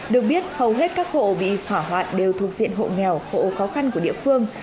được biết hầu hết các hộ bị hỏa hoạn đều thuộc diện hộ nghèo hộ khó khăn của địa phương